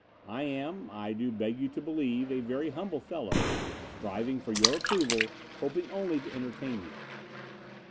I am, I do beg you to believe, a very humble fellow, striving for your approval, hoping only to entertain you.